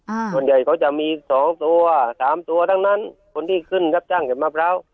ส่วนใหญ่เขาจะมีสองตัวสามตัวทั้งนั้นคนที่ขึ้นรับจ้างเก็บมะพร้าว